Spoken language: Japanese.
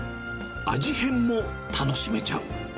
味変も楽しめちゃう。